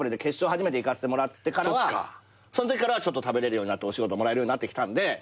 初めて行かせてもらってからはそのときからちょっと食べれるようになってお仕事もらえるようになってきたんで。